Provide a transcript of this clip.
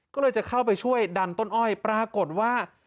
ก็เลยจะเข้าไปช่วยดันต้นอ้อยปรากฏว่า